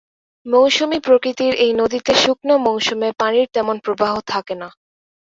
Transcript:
মৌসুমি প্রকৃতির এই নদীতে শুকনো মৌসুমে পানির তেমন প্রবাহ থাকে না।